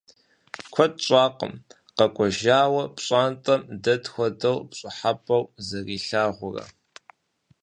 Куэд щӀакъым къэкӀуэжауэ пщӀантӀэм дэт хуэдэу пщӀыхьэпӀэу зэрилъагъурэ.